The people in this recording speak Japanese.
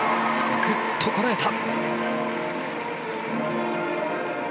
ぐっとこらえた。